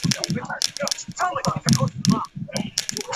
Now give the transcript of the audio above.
国家机器是一个政治术语。